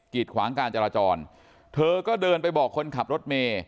ขวางการจราจรเธอก็เดินไปบอกคนขับรถเมย์